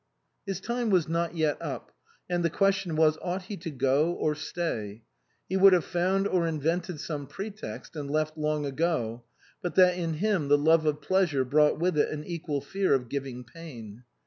His time was not yet up, and the question was : Ought he to go or stay ? He would have found or invented some pretext, and left long ago, but that in him the love of pleasure brought with it an equal fear of giving pain.